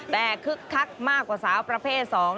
แต่คึกคักมากกว่าสาวประเภท๒